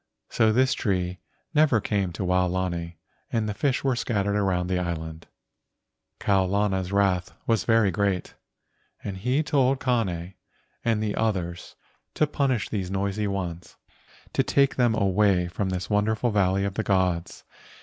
So this tree never came to Waolani and the fish were scattered around the island. Kau lana's wrath was very great, and he told Kane and the others to punish these noisy ones, to take them away from this wonderful valley of the gods.